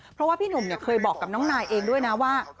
เพราะว่าพี่หนุ่มเคยบอกกับน้องนายเองด้วยนะว่า